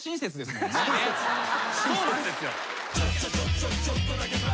そうなんですよ。